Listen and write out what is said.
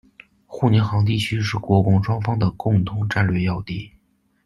沪宁杭地区是国共双方的共同战略要地。